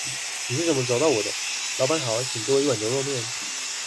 你是怎麼找到我的？老闆好，請給我一碗牛肉麵